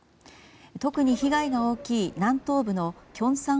特に被害が大きい南東部のキョンサン